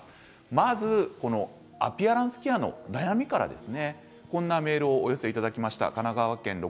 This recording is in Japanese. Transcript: まずはアピアランスケアの悩みからです。